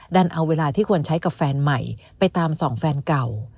ดันเอาเวลาที่ควรใช้กับแฟนใหม่ไปตามส่องแฟนเก่า